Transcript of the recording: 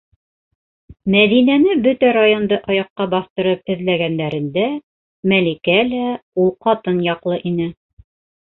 Мәҙинәне бөтә районды аяҡҡа баҫтырып эҙләгәндәрендә Мәликә лә ул ҡатын яҡлы ине.